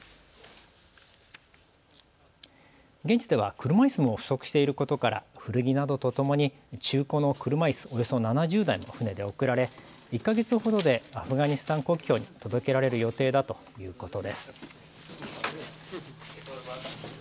現地では車いすも不足していることから古着などとともに中古の車いすおよそ７０台も船で送られ１か月ほどでアフガニスタン国境に届けられる予定だということです。